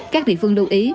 các địa phương lưu ý